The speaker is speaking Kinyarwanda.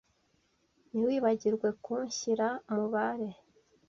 Ntiwibagirwe kunshyira mubare.